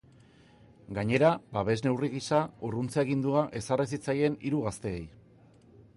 Gainera, babes neurri gisa, urruntze agindua ezarri zitzaien hiru gazteei.